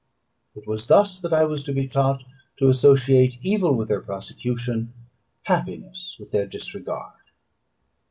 It was thus that I was to be taught to associate evil with their prosecution, happiness with their disregard.